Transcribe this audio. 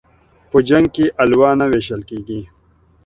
په جنگ کې الوا نه ويشل کېږي.